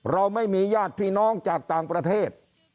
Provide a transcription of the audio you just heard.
เราไม่มีญาติพี่น้องจากต่างประเทศ